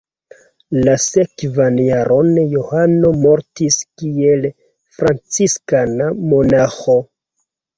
La sekvan jaron Johano mortis kiel franciskana monaĥo.